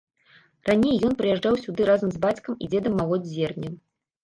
Раней ён прыязджаў сюды разам з бацькам і дзедам малоць зерне.